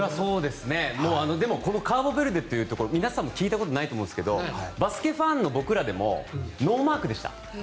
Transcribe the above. でもカーボベルデというところ皆さんも聞いたことないと思うんですけどバスケファンの僕らでもノーマークでした。